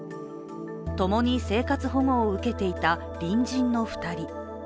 共に生活保護を受けていた隣人の２人。